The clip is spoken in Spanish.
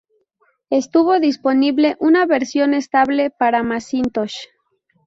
Estuvo disponible una versión estable para Macintosh.